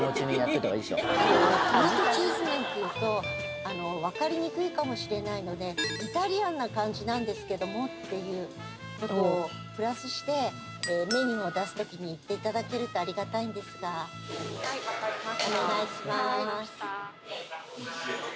トマトチーズ麺っていうと分かりにくいかもしれないのでイタリアンな感じなんですけどもっていうことをプラスしてメニューを出す時に言っていただけるとありがたいんですがお願いします